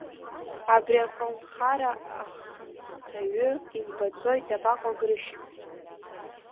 Абри аколнхара ахантәаҩы имбаӡои, дабаҟоу Грышьа?